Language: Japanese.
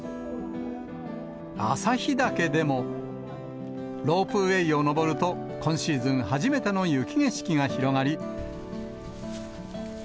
旭岳でも、ロープウエーを登ると、今シーズン初めての雪景色が広がり。